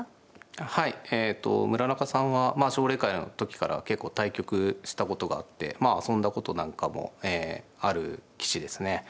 はいえと村中さんは奨励会の時から結構対局したことがあってまあ遊んだことなんかもえある棋士ですね。